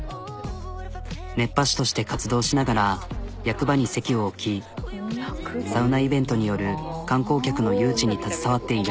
熱波師として活動しながら役場に籍を置きサウナイベントによる観光客の誘致に携わっている。